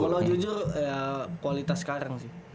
kalau jujur ya kualitas sekarang sih